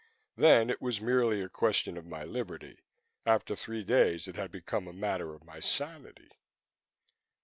Then it was merely a question of my liberty. After three days it had become a matter of my sanity.